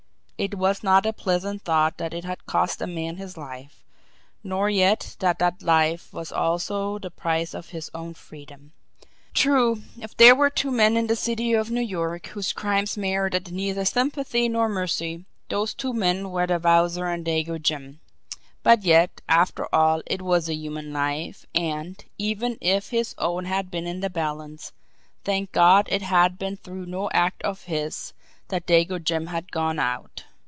It was not a pleasant thought that it had cost a man his life, nor yet that that life was also the price of his own freedom. True, if there were two men in the city of New York whose crimes merited neither sympathy nor mercy, those two men were the Wowzer and Dago Jim but yet, after all, it was a human life, and, even if his own had been in the balance, thank God it had been through no act of his that Dago Jim had gone out!